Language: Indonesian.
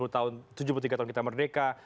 tujuh puluh tiga tahun kita merdeka